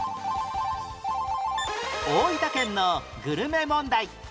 大分県のグルメ問題